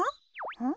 うん？